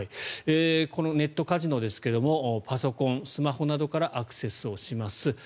このネットカジノですがパソコン、スマホなどからアクセスします。